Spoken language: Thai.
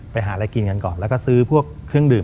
ไปหาอะไรกินกันก่อนแล้วก็ซื้อพวกเครื่องดื่ม